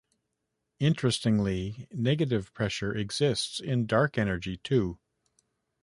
Interestingly, negative pressure exists in dark energy too.